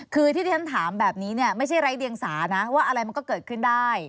คือที่ที่ฉันถามแบบนี้เนี่ยไม่ใช่ไร้เดียงสานะว่าอะไรมันก็เกิดขึ้นได้